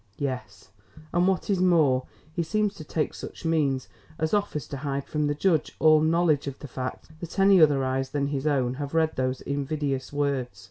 Yes; and what is more, he seems to take such means as offers to hide from the judge all knowledge of the fact that any other eyes than his own have read these invidious words.